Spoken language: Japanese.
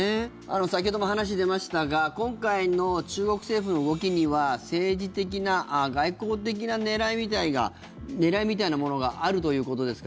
先ほども話、出ましたが今回の中国政府の動きには政治的な外交的な狙いみたいなものがあるということですか？